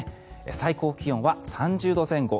最高気温は３０度前後。